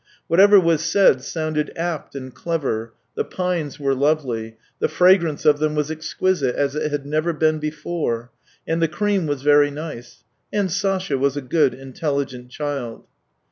Whatever was said sounded apt and clever; the pines were lovely — the fragrance of them was exquisite as it had never been before; and the cream was very nice; and Sasha was a good, intelligent child.